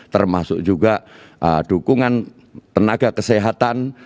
termasuk juga dukungan tenaga kesehatan